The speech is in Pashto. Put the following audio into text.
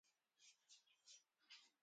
ژبې د افغان ځوانانو لپاره دلچسپي لري.